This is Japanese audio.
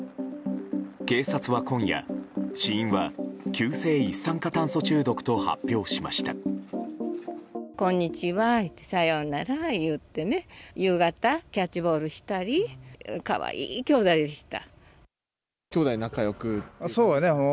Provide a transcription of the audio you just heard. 警察は今夜、死因は急性一酸化炭素中毒と発表しました。